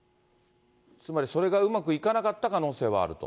つまりそれがうまくいかなかった可能性はあると。